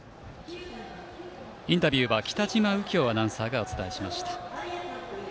インタビューは北嶋右京アナウンサーがお伝えしました。